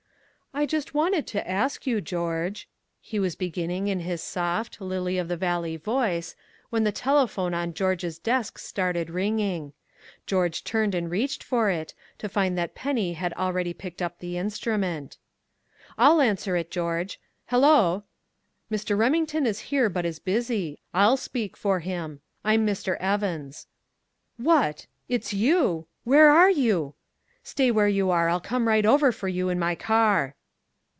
"I just wanted to ask you, George " he was beginning in his soft, lily of the valley voice, when the telephone on George's desk started ringing. George turned and reached for it, to find that Penny had already picked up the instrument. "I'll answer it, George.... Hello... Mr. Remington is here, but is busy; I'll speak for him I'm Mr. Evans.... What it's you! Where are you?... Stay where you are; I'll come right over for you in my car."